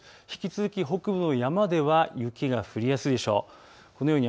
引き続き北部の山では、雪が降りやすいでしょう。